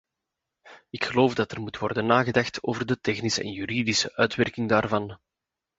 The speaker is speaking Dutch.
Ik geloof dat er moet worden nagedacht over de technische en juridische uitwerking daarvan.